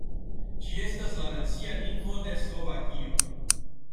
Ĝi estas la nacia lingvo de Slovakio.